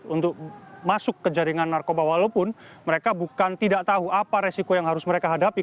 untuk masuk ke jaringan narkoba walaupun mereka bukan tidak tahu apa resiko yang harus mereka hadapi